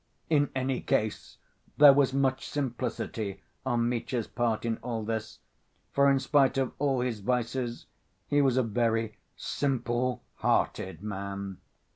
In any case there was much simplicity on Mitya's part in all this, for in spite of all his vices, he was a very simple‐hearted man.